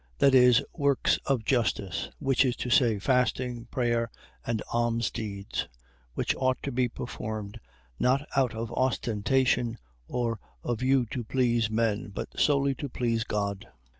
. .that is, works of justice; viz., fasting, prayer, and almsdeeds; which ought to be performed not out of ostentation, or a view to please men, but solely to please God.